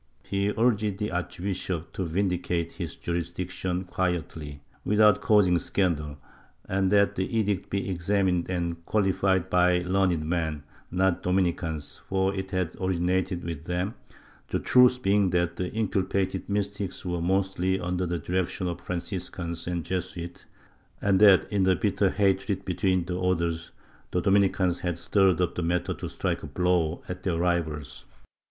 He urged the archbishop to vindicate his jurisdiction quietly, without causing scandal, and that the edict be examined and quali fied by learned men, not Dominicans, for it had originated with them — the truth being that the inculpated mystics were mostly under the direction of Franciscans and Jesuits and that, in the bitter hatred between the Orders, the Dominicans had stirred up the matter to strike a blow at their rivals.